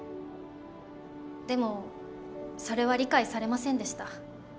でもそれは理解されませんでした。